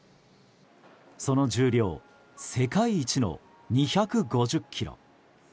その重量、世界一の２５０ｋｇ。